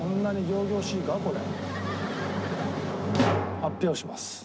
発表します。